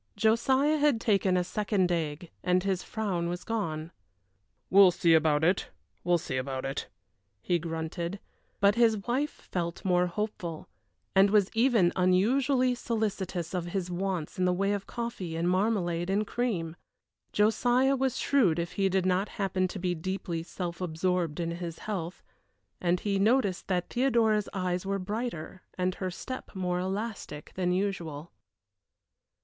Josiah had taken a second egg and his frown was gone. "We'll see about it, we'll see about it," he grunted; but his wife felt more hopeful, and was even unusually solicitous of his wants in the way of coffee and marmalade and cream. Josiah was shrewd if he did happen to be deeply self absorbed in his health, and he noticed that Theodora's eyes were brighter and her step more elastic than usual.